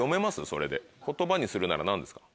それで言葉にするなら何ですか？